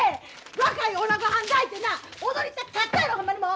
若いおなごはん抱いてな踊りたかったんやろほんまにもう！